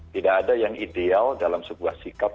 tidak ada yang ideal dalam sebuah sikap